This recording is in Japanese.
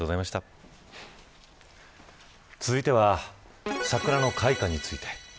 続いては桜の開花について。